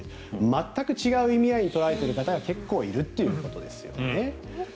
全く違う意味合いに捉えている方が結構いるということですね。